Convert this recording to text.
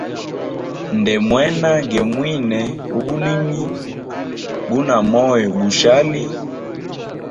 Ndemwena ge mwine u bulimi, guna moyo gushali.